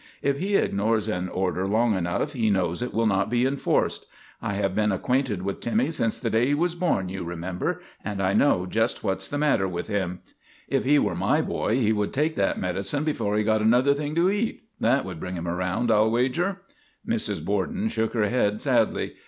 If he ignores an order long enough he knows it will not be enforced. I have been acquainted with Timmy since the day he was born, you remember, and I know just what 's the 191 192 THE REGENERATION OF TIMMY matter with him. If he were my boy he would take that medicine before he got another thing to eat. That would bring him around, I '11 wager." Mrs. Borden shook her head sadly.